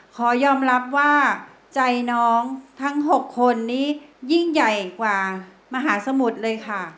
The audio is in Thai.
ขอยอมรับว่าใจน้องทั้ง๖คนนี้ยิ่งใหญ่กว่ามหาสมุทรเลยค่ะ